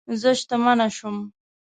زه شتمنه شوم